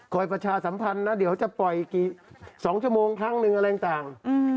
ประชาสัมพันธ์นะเดี๋ยวจะปล่อยกี่๒ชั่วโมงครั้งหนึ่งอะไรต่าง